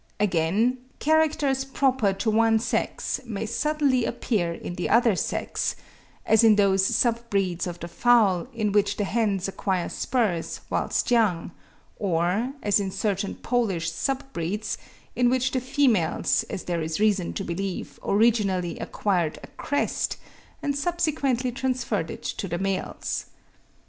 Again, characters proper to one sex may suddenly appear in the other sex; as in those sub breeds of the fowl in which the hens acquire spurs whilst young; or, as in certain Polish sub breeds, in which the females, as there is reason to believe, originally acquired a crest, and subsequently transferred it to the males.